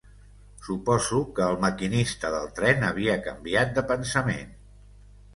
Suposo que el maquinista del tren havia canviat de pensament